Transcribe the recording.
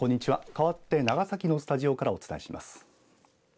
かわって長崎のスタジオからお伝えします。